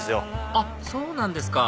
あっそうなんですか！